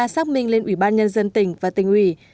xác minh lên ubnd tỉnh và tỉnh ubnd